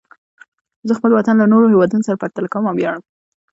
زه خپل وطن له نورو هېوادونو سره پرتله کوم او ویاړم.